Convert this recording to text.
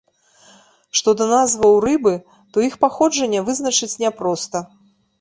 Што да назваў рыбы, то іх паходжанне вызначыць няпроста.